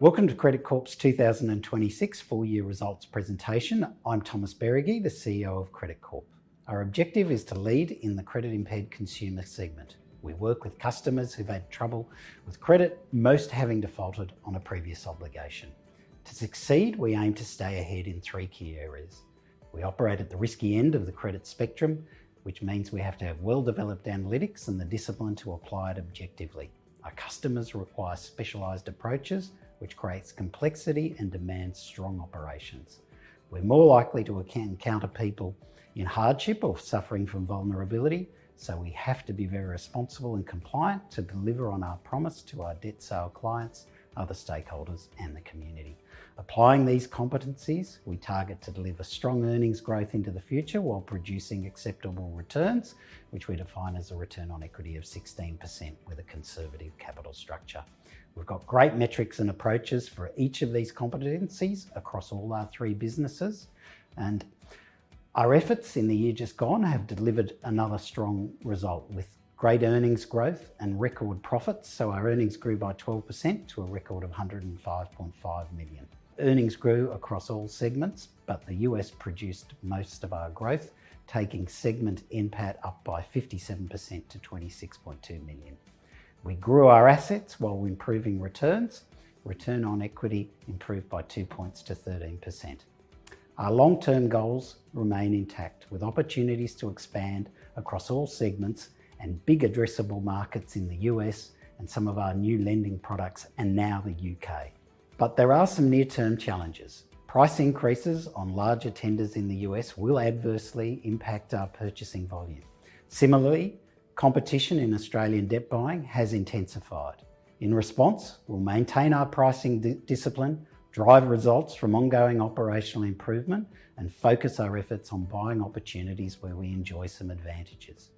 Welcome to Credit Corp's 2026 full year results presentation. I'm Thomas Beregi, the CEO of Credit Corp. Our objective is to lead in the credit-impaired consumer segment. We work with customers who've had trouble with credit, most having defaulted on a previous obligation. To succeed, we aim to stay ahead in three key areas. We operate at the risky end of the credit spectrum, which means we have to have well-developed analytics and the discipline to apply it objectively. Our customers require specialized approaches, which creates complexity and demands strong operations. We're more likely to encounter people in hardship or suffering from vulnerability, so we have to be very responsible and compliant to deliver on our promise to our debt sale clients, other stakeholders, and the community. Applying these competencies, we target to deliver strong earnings growth into the future while producing acceptable returns, which we define as a return on equity of 16% with a conservative capital structure. We've got great metrics and approaches for each of these competencies across all our three businesses. Our efforts in the year just gone have delivered another strong result with great earnings growth and record profits. Our earnings grew by 12% to a record of $105.5 million. Earnings grew across all segments, the U.S. produced most of our growth, taking segment NPAT up by 57% to $26.2 million. We grew our assets while improving returns. Return on equity improved by two points to 13%. Our long-term goals remain intact with opportunities to expand across all segments and big addressable markets in the U.S. and some of our new lending products, and now the U.K. There are some near-term challenges. Price increases on larger tenders in the U.S. will adversely impact our purchasing volume. Similarly, competition in Australian debt buying has intensified. In response, we'll maintain our pricing discipline, drive results from ongoing operational improvement, and focus our efforts on buying opportunities where we enjoy some advantages.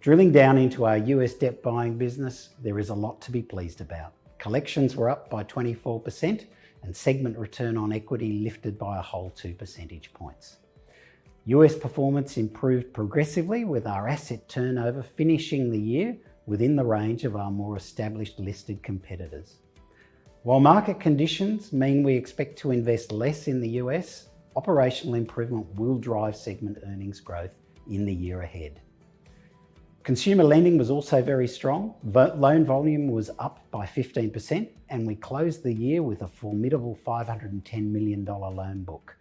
Drilling down into our U.S. debt buying business, there is a lot to be pleased about. Collections were up by 24%, and segment return on equity lifted by a whole 2 percentage points. U.S. performance improved progressively with our asset turnover finishing the year within the range of our more established listed competitors. While market conditions mean we expect to invest less in the U.S., operational improvement will drive segment earnings growth in the year ahead. Consumer lending was also very strong. Loan volume was up by 15%, and we closed the year with a formidable $510 million loan book.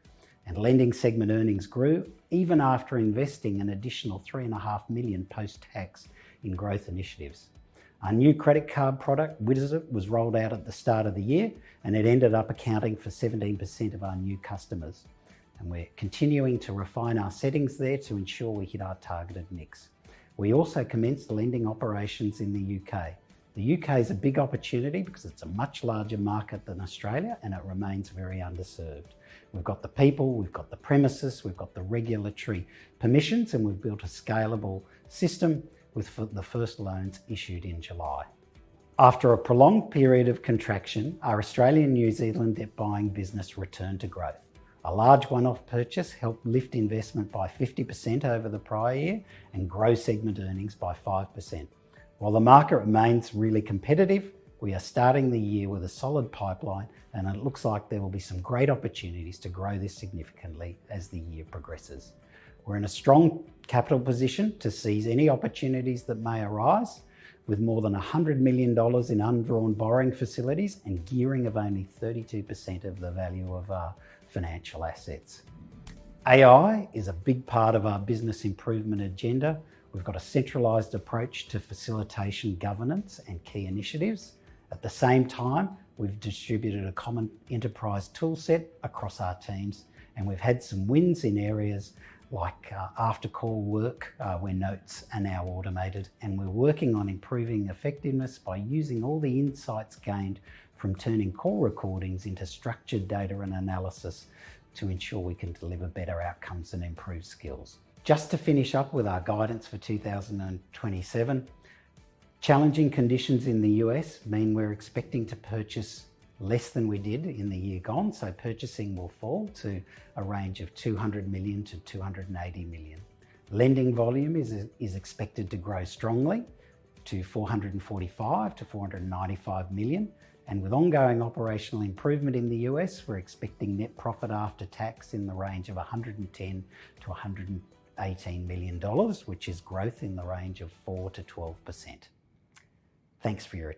Lending segment earnings grew even after investing an additional $3.5 million post-tax in growth initiatives. Our new credit card product, Wizit, was rolled out at the start of the year, and it ended up accounting for 17% of our new customers. We're continuing to refine our settings there to ensure we hit our targeted mix. We also commenced lending operations in the U.K. The U.K. is a big opportunity because it's a much larger market than Australia, and it remains very underserved. We've got the people, we've got the premises, we've got the regulatory permissions, and we've built a scalable system with the first loans issued in July. After a prolonged period of contraction, our Australian-New Zealand debt buying business returned to growth. A large one-off purchase helped lift investment by 50% over the prior year and grow segment earnings by 5%. While the market remains really competitive, we are starting the year with a solid pipeline, it looks like there will be some great opportunities to grow this significantly as the year progresses. We're in a strong capital position to seize any opportunities that may arise with more than $100 million in undrawn borrowing facilities and gearing of only 32% of the value of our financial assets. AI is a big part of our business improvement agenda. We've got a centralized approach to facilitation, governance, and key initiatives. At the same time, we've distributed a common enterprise toolset across our teams, and we've had some wins in areas like after-call work, where notes are now automated. We're working on improving effectiveness by using all the insights gained from turning call recordings into structured data and analysis to ensure we can deliver better outcomes and improve skills. Just to finish up with our guidance for 2027, challenging conditions in the U.S. mean we're expecting to purchase less than we did in the year gone, so purchasing will fall to a range of $200 million-$280 million. Lending volume is expected to grow strongly to $445 million-$495 million. With ongoing operational improvement in the U.S., we're expecting net profit after tax in the range of $110 million-$118 million, which is growth in the range of 4%-12%. Thanks for your.